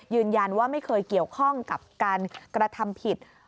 ยืนยันว่าไม่เคยเกี่ยวข้องกับการกระทำผิด